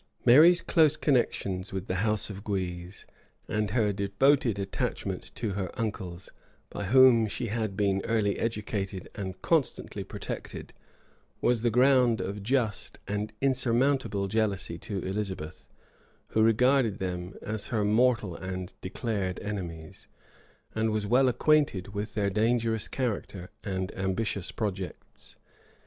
Mary's close connections with the house of Guise, and her devoted attachment to her uncles, by whom she had been early educated and constantly protected, was the ground of just and insurmountable jealousy to Elizabeth, who regarded them as her mortal and declared enemies, and was well acquainted with their dangerous character and ambitious projects.